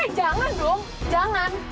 jangan dong jangan